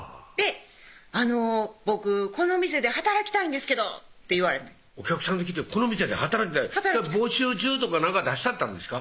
「あの僕この店で働きたいんですけど」って言われてお客さんで来て「この店で働きたい」「募集中」とか何か出してあったんですか？